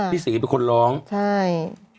พี่ศรีเป็นคนร้องใช่